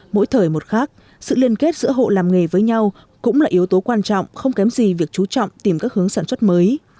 mỗi thời một khác sự liên kết giữa hộ làm nghề với nhau cũng là yếu tố quan trọng không kém gì việc chú trọng tìm các hướng sản xuất mới